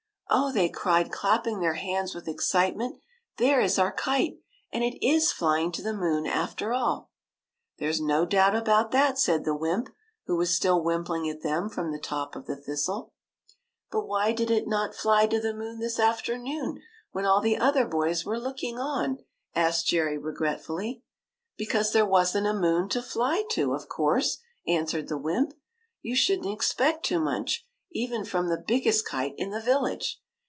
Oh," they cried, clapping their hands with excitement. " There is our kite, and it is flying to the moon after all !"'' There s no doubt about that," said the wymp, who was still wimpling at them from the top of the thistle. 174 THE KITE THAT '' But why did it not fly to the moon this afternoon, when all the other boys were looking on ?" asked Jerry, regretfully. '' Because there was n't a moon to fly to, of course !" answered the wymp. " You should n't expect too much, even from the biggest kite in the village.